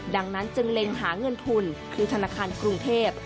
ดังนั้นจึงเล็งหาเงินทุนคือธนาคารกรุงเทพ